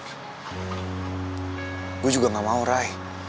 saya juga tidak mau rai